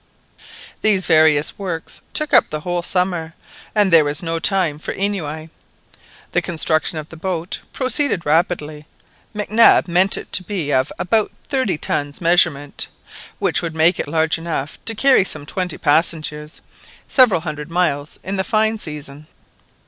These various works took up the whole summer, and there was no time for ennui. The construction of the boat proceeded rapidly. Mac Nab meant it to be of about thirty tons measurement, which would make it large enough to carry some twenty passengers several hundred miles in the fine season.